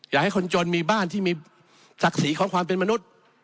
อยากให้คนจนมีบ้านที่มีศักดิ์ศรีของความเป็นมนุษย์